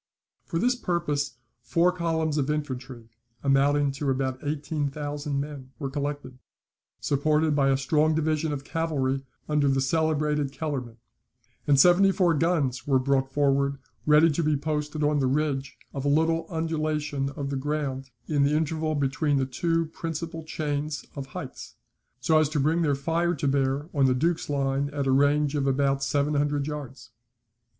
For this purpose four columns of infantry, amounting to about eighteen thousand men, were collected, supported by a strong division of cavalry under the celebrated Kellerman; and seventy four guns were brought forward ready to be posted on the ridge of a little undulation of the ground in the interval between the two principal chains of heights, so as to bring their fire to bear on the Duke's line at a range of about seven hundred yards.